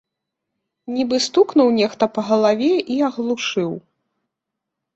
Нібы стукнуў нехта па галаве і аглушыў.